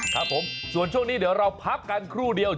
ครับผมส่วนช่วงนี้เดี๋ยวเราพักกันครู่เดียว